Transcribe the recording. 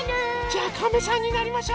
じゃかめさんになりましょう。